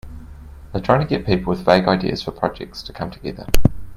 They're trying to get people with vague ideas for projects to come together.